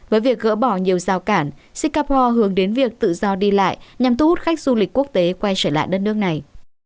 với việc gỡ bỏ nhiều rào cản singapore hướng đến việc tự do đi lại nhằm thu hút khách du lịch quốc tế quay trở lại đất nước này